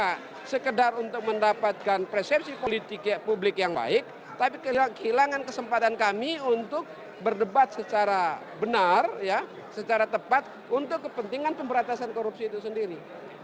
nah sekedar untuk mendapatkan persepsi politik publik yang baik tapi kehilangan kesempatan kami untuk berdebat secara benar secara tepat untuk kepentingan pemberantasan korupsi itu sendiri